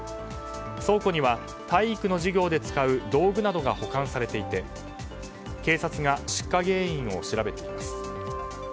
倉庫には体育の授業で使う道具などが保管されていて警察が出火原因を調べています。